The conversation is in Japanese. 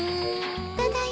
ただいま。